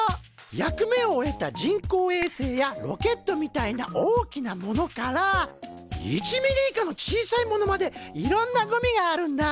役目を終えた人工衛星やロケットみたいな大きなものから１ミリ以下の小さいものまでいろんなゴミがあるんだ。